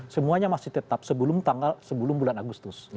semuanya masih tetap sebelum tanggal sebelum bulan agustus